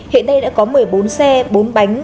hiện nay đã có một mươi bốn xe bốn bánh